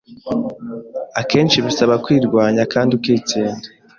Akenshi bisaba kwirwanya kandi ukitsinda